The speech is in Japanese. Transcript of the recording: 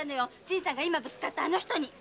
新さんがぶつかったあの人に。え？